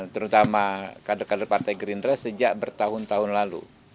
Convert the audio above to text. terutama kader kader partai gerindra sejak bertahun tahun lalu